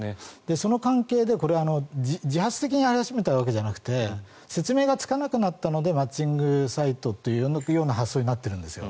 その関係で、これは自発的にやり始めたわけじゃなくて説明がつかなくなったのでマッチングサイトというような発想になってるんですよ。